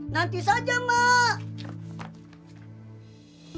nanti saja mak